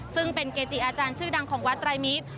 ซึ่งเป็นเกจิอาจารย์ชื่อดังของวัดรายมิตร